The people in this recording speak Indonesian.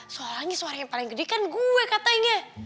soalnya suara yang paling gede kan gue katanya